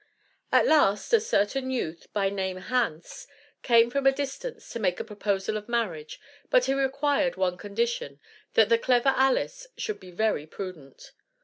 At last a certain youth, by name Hans, came from a distance to make a proposal of marriage but he required one condition, that the Clever Alice should be very prudent.